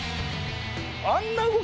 あんな動き。